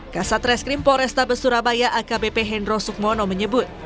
kasat reskrim polrestabes surabaya akbp hendro sukmono menyebut